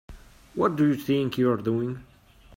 What do you think you're doing?